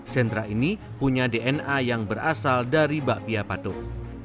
sentra ini punya dna yang berasal dari bakpia patung